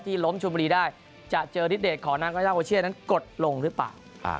ที่ล้มชมบลีได้จะเจอทิศเดทของนางนาโกย่าโอเชียนนั้นกดลงหรือเปล่า